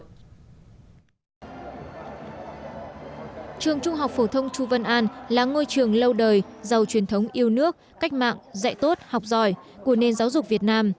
trường trung học phổ thông chu văn an là ngôi trường lâu đời giàu truyền thống yêu nước cách mạng dạy tốt học giỏi của nền giáo dục việt nam